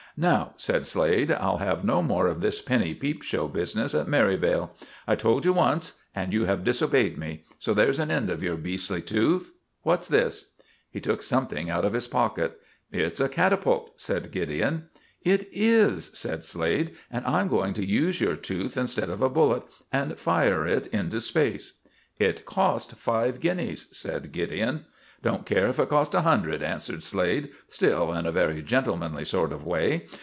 "Now," said Slade, "I'll have no more of this penny peep show business at Merivale. I told you once, and you have disobeyed me. So there's an end of your beastly tooth. What's this?" He took something out of his pocket. "It's a catapult," said Gideon. "It is," said Slade, "and I'm going to use your tooth instead of a bullet, and fire it into space." "It cost five guineas," said Gideon. "Don't care if it cost a hundred," answered Slade, still in a very gentlemanly sort of way.